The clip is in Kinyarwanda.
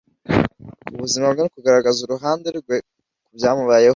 ku buzima bwe no kugaragaza uruhande rwe ku byamubayeho